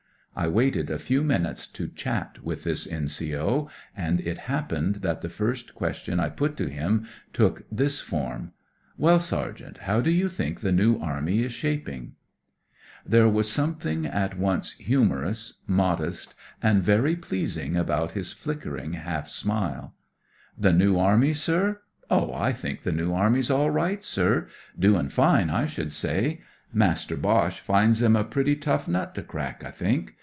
I waited a few minutes to chat with this N.C.O., and it happened that the first question I put to him took this form :—" Well, Sergeant, how do you think the New Army is shaping ?" There was something at once humorous, iMM " WE DON*T COUNT WOUNDS " 99 f, modest, and very pleasing about his flickering half smile. "The New Army, sir? Oh, I think the New Army's all right, sir. Doing fine, I should say. Master Boche finds 'em a pretty tough nut to crack, I think.